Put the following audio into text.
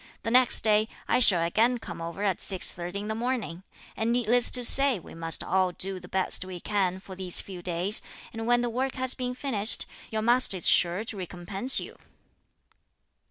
The next day, I shall again come over at 6.30 in the morning; and needless to say we must all do the best we can for these few days; and when the work has been finished your master is sure to recompense you."